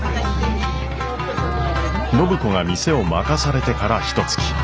暢子が店を任されてからひとつき。